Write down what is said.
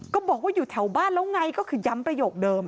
ก็บอกว่าอยู่แถวบ้านแล้วไงก็คือย้ำประโยคเดิม